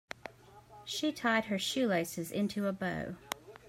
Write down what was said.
She tied her shoelaces into a bow.